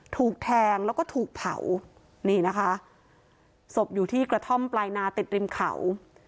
ถูกแทงแล้วก็ถูกเผานี่นะคะศพอยู่ที่กระท่อมปลายนาติดริมเขา